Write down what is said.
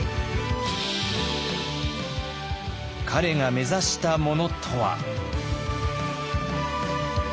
彼が目指したものとは？